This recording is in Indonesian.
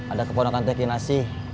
ada keponakan teki nasi